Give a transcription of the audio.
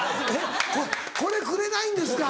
これくれないんですか？